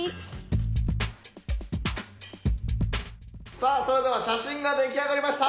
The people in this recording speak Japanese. さあそれでは写真が出来上がりました。